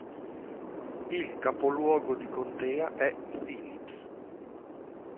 Il capoluogo di contea è Phillips.